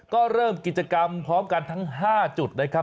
ก็เริ่มกิจกรรมพร้อมกันทั้ง๕จุดนะครับ